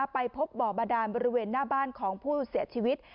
ไปพบบ่อบาดานบริเวณหน้าบ้านของผู้เสียชีวิต